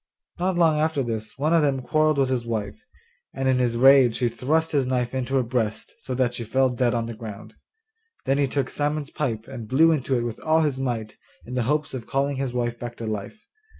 Not long after this one of them quarrelled with his wife, and in his rage he thrust his knife into her breast so that she fell dead on the ground. Then he took Simon's pipe and blew into it with all his might, in the hopes of calling his wife back to life.